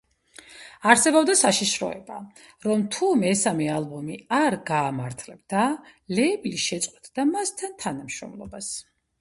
არსებობდა საშიშროება, რომ თუ მესამე ალბომი არ გაამართლებდა, ლეიბლი შეწყვეტდა მასთან თანამშრომლობას.